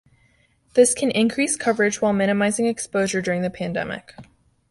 This can increase coverage while minimizing exposure during the pandemic.